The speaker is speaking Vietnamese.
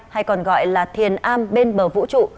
hay còn gọi là thiền a bên bờ vũ trụ